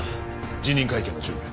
辞任会見の準備を。